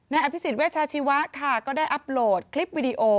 อภิษฎเวชาชีวะค่ะก็ได้อัพโหลดคลิปวิดีโอ